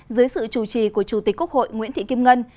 dưới sự chủ trì của chủ tịch quốc hội nguyễn thị kim ngân